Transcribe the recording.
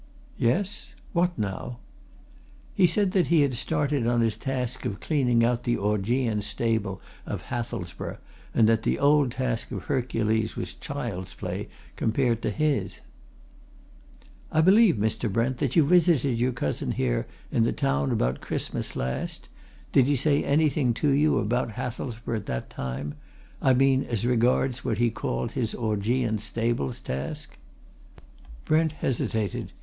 "Yes? What, now?" "He said that he had started on his task of cleaning out the Augean stable of Hathelsborough, and that the old task of Hercules was child's play compared to his." "I believe, Mr. Brent, that you visited your cousin here in the town about Christmas last? Did he say anything to you about Hathelsborough at that time? I mean, as regards what he called his Augean stables task?" Brent hesitated.